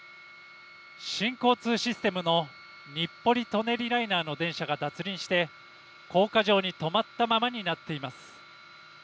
新交通システムの日暮里・舎人ライナーの電車が脱輪して、高架上に止まったままになっています。